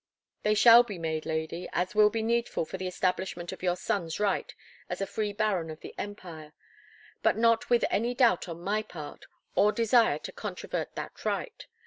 "They shall be made, lady, as will be needful for the establishment of your son's right as a free Baron of the empire, but not with any doubt on my part, or desire to controvert that right.